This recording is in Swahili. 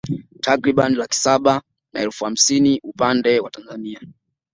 Takriban laki saba na elfu hamsini upande wa Tanzania